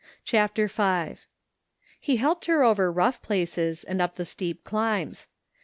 58 CHAPTER V He helped her over rough places and up the steep dimbs.